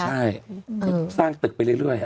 ใช่คือสร้างตึกไปเรื่อย